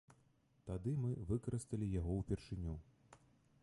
Тады мы выкарысталі яго ўпершыню.